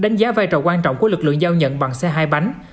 đánh giá vai trò quan trọng của lực lượng giao nhận bằng xe hai bánh